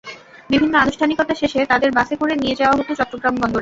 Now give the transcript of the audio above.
বিভিন্ন আনুষ্ঠানিকতা শেষে তাঁদের বাসে করে নিয়ে যাওয়া হতো চট্টগ্রাম বন্দরে।